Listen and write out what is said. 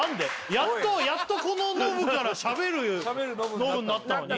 やっとやっとこのノブからしゃべるノブになったのに？